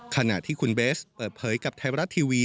ขณะที่คุณเบสเปิดเผยกับไทยรัฐทีวี